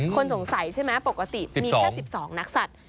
คนสงสัยใช่ไหมปกติมีแค่๑๒นักสัตว